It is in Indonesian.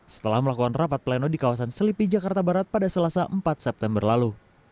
setelah melakukan rapat pleno di kawasan selipi jakarta barat pada selasa empat september lalu